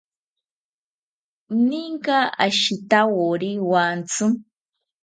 ¿Ninka ashitawori wantsi?